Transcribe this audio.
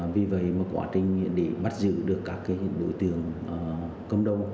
vì vậy mà quá trình để bắt giữ được các đối tượng cầm đầu